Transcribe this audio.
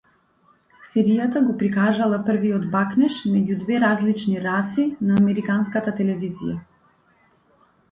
Серијата го прикажала првиот бакнеж меѓу две различни раси на американската телевизија.